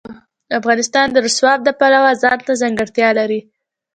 افغانستان د رسوب د پلوه ځانته ځانګړتیا لري.